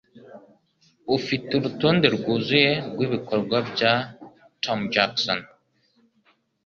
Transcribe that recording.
Ufite urutonde rwuzuye rwibikorwa bya Tom Jackson?